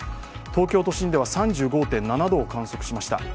東京都心では３５．７度を観測しました。